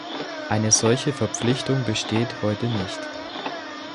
Eine solche Verpflichtung besteht heute nicht.